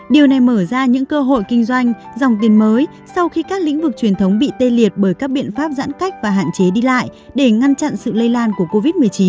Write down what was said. điều này mở ra những cơ hội kinh doanh dòng tiền mới sau khi các lĩnh vực truyền thống bị tê liệt bởi các biện pháp giãn cách và hạn chế đi lại để ngăn chặn sự lây lan của covid một mươi chín